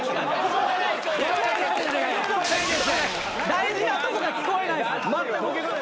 大事なとこが聞こえないです。